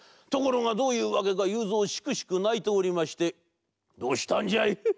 ところがどういうわけかゆうぞうしくしくないておりまして「どうしたんじゃい？」。